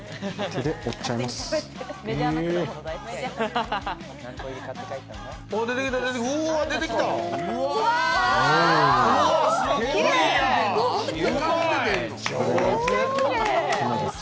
手で折っちゃいます。